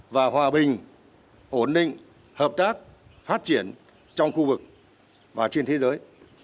và hòa bình ổn định hợp tác phát triển trong khu vực và trên thế giới